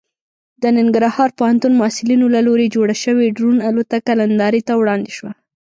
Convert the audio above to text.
د ننګرهار پوهنتون محصلینو له لوري جوړه شوې ډرون الوتکه نندارې ته وړاندې شوه.